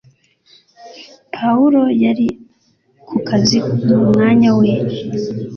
Pawulo yari ku kazi mu mwanya we